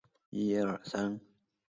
萨莱尔姆。